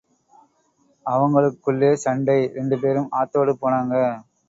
அவங்களுக்குள்ளே சண்டை, ரெண்டுபேரும் ஆத்தோட போனாங்க!